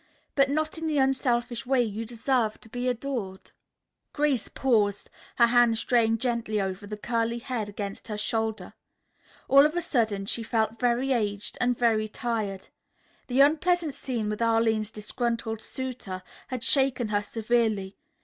But not in the unselfish way you deserve to be adored." Grace paused, her hand straying gently over the curly head against her shoulder. All of a sudden she felt very aged and very tired. The unpleasant scene with Arline's disgruntled suitor had shaken her severely.